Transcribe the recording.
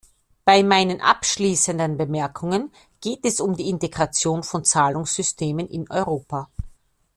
Bei meinen abschließenden Bemerkungen geht es um die Integration von Zahlungssystemen in Europa.